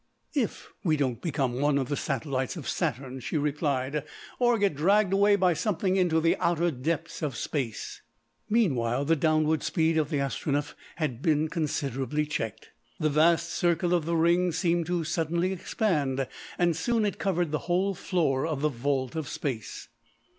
"If we don't become one of the satellites of Saturn," she replied, "or get dragged away by something into the outer depths of Space." Meanwhile the downward speed of the Astronef had been considerably checked. The vast circle of the rings seemed to suddenly expand, and soon it covered the whole floor of the Vault of Space.